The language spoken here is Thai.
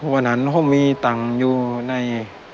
วันนั้นเขามีตังค์อยู่ใน